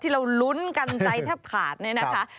เราลุ้นกันใจแทบขาดเนี่ยนะคะ